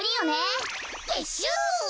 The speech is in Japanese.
てっしゅう！